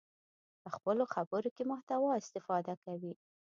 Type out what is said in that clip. خپلو خبرو کې محتوا استفاده کوي.